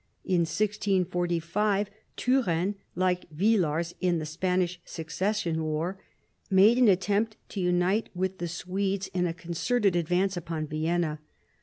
In 1645 Turenne, like Villars in the Spanish Succession War, made an attempt to unite with the Swedes in a concerted advance upon Vienna.